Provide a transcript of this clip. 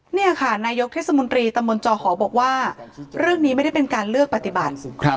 นี่ค่ะนายกเทศมนตรีตำบลจอหอบอกว่าเรื่องนี้ไม่ได้เป็นการเลือกปฏิบัติ